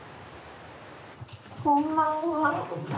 こんばんは。